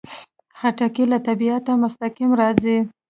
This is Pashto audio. خټکی له طبیعته مستقیم راځي.